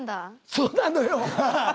そうなのよ。